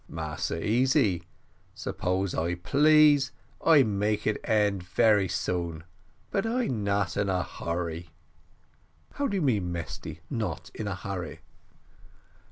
"Massa Easy, suppose I please I make it end very soon, but I not in a hurry." "How do you mean, Mesty, not in a hurry?"